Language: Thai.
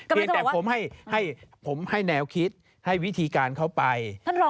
เพียงแต่ผมให้ผมให้แนวคิดให้วิธีการเขาไป